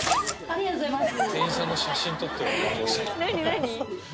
ありがとうございます